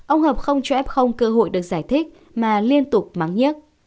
ông hợp không cho f cơ hội được giải thích mà liên tục mắng hác